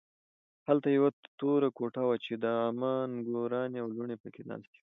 هلته یوه توره کوټه وه چې د عمه نګورانې او لوڼې پکې ناستې وې